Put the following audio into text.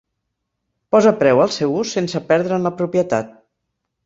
Posa preu al seu ús sense perdre'n la propietat.